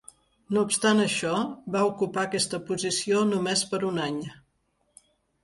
No obstant això, va ocupar aquesta posició només per un any.